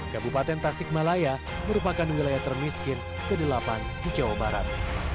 kabupaten tasikmalaya merupakan wilayah termiskin ke delapan di jawa barat